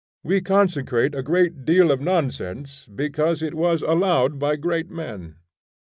We consecrate a great deal of nonsense because it was allowed by great men.